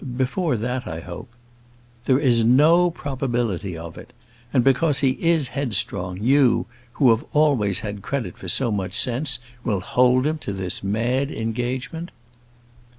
"Before that, I hope." "There is no probability of it. And because he is headstrong, you, who have always had credit for so much sense, will hold him to this mad engagement?"